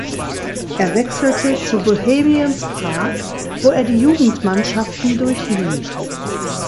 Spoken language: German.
Er wechselte zu Bohemians Prag, wo er die Jugendmannschaften durchlief.